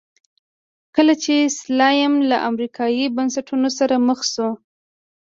کله چې سلایم له امریکایي بنسټونو سره مخ شو.